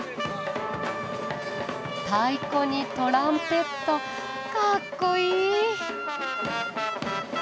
太鼓にトランペットかっこいい！